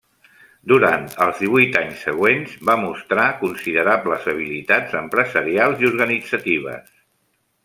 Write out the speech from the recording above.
Durant els divuit anys següents, va mostrar considerables habilitats empresarials i organitzatives.